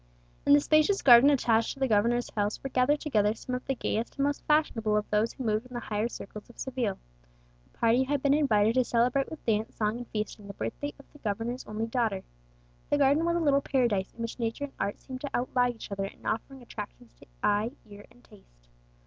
In the spacious garden attached to the governor's house were gathered together some of the gayest and most fashionable of those who moved in the higher circles of Seville. A party had been invited to celebrate with dance, song, and feasting, the birthday of the governor's only daughter. The garden was a little paradise, in which nature and art seemed to outvie each other in offering attractions to eye, ear, and taste.